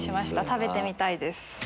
食べてみたいです。